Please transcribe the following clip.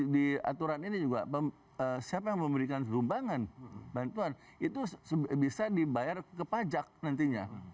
di aturan ini juga siapa yang memberikan sumbangan bantuan itu bisa dibayar ke pajak nantinya